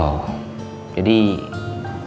kamu gak bisa jalan ya